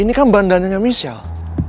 ini kan bandananya michelle